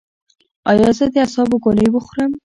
ایا زه د اعصابو ګولۍ وخورم؟